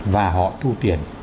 và họ thu tiền